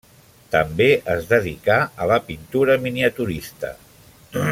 També es dedicà a la pintura miniaturista.